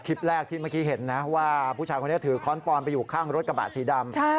คลิปแรกที่เมื่อกี้เห็นนะว่าผู้ชายคนนี้ถือค้อนปอนไปอยู่ข้างรถกระบะสีดำ